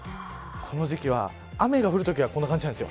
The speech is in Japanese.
この時期は雨が降るときはこんな感じなんです。